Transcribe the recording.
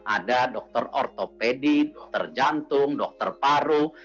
ada dokter ortopedi dokter jantung dokter paru